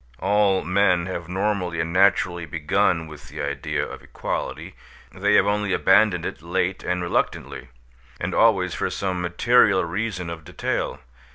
All men have normally and naturally begun with the idea of equality; they have only abandoned it late and reluctantly, and always for some material reason of detail.